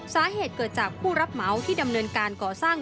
สาเหตุเกิดจากผู้รับเหมาที่ดำเนินการก่อสร้าง